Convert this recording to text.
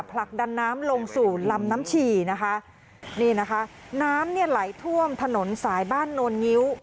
ผลักดันน้ำลงสู่ลำน้ำฉี่นะคะนี่นะคะน้ำเนี่ยไหลท่วมถนนสายบ้านโนลงิ้ว